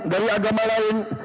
dari agama lain